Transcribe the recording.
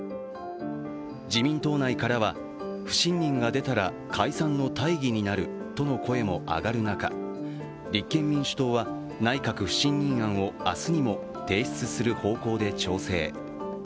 自民党内からは、不信任が出たら解散の大義になるとの声も上がる中、立憲民主党は、内閣不信任案を明日にも提出する方向で調整。